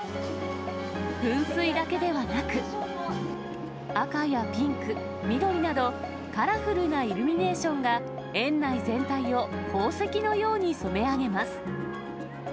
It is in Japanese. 噴水だけではなく、赤やピンク、緑など、カラフルなイルミネーションが園内全体を宝石のように染め上げます。